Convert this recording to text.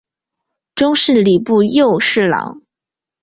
终仕礼部右侍郎。